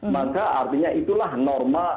maka artinya itulah norma